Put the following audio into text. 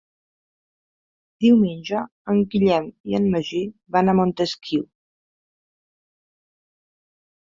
Diumenge en Guillem i en Magí van a Montesquiu.